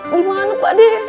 gimana pak deh